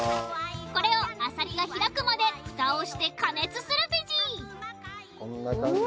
これをあさりが開くまで蓋をして加熱するベジこんな感じ。